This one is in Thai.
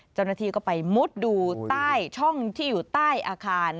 เจ้าหน้าที่ก็ไปมุดดูใต้ช่องที่อยู่ใต้อาคาร